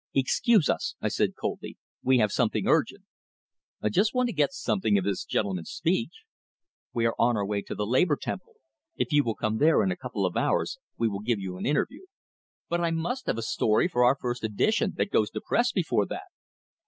"Excuse us," I said, coldly. "We have something urgent " "I just want to get something of this gentleman's speech " "We are on our way to the Labor Temple. If you will come there in a couple of hours, we will give you an interview." "But I must have a story for our first edition, that goes to press before that."